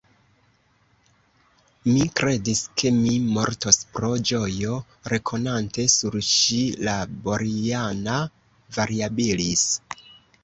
Mi kredis, ke mi mortos pro ĝojo, rekonante sur ŝi la Boriana variabilis.